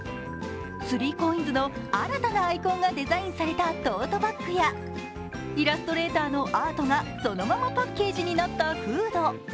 ３ＣＯＩＮＳの新たなアイコンがデザインされたトートバッグやイラストレーターのアートがそのままパッケージになったフード。